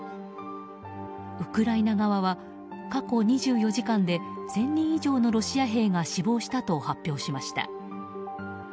ウクライナ側は過去２４時間で１０００人以上のロシア兵が死亡したと発表しました。